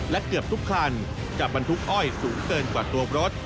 และเกือบทุกคันจะบรรทุกอ้อยสูงเกินกว่าตัวรถ